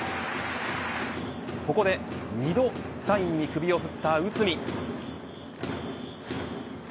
ここで２度サインに首を振った内海。